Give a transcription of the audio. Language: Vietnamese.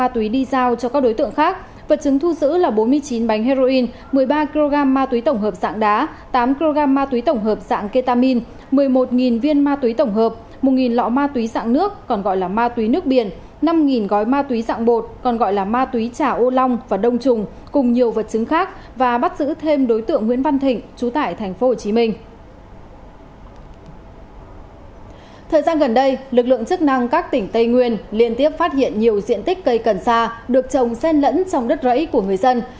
trong thời gian gần đây lực lượng chức năng các tỉnh tây nguyên liên tiếp phát hiện nhiều diện tích cây cần sa được trồng sen lẫn trong đất rẫy của người dân